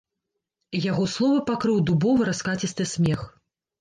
Яго словы пакрыў дубовы раскацісты смех.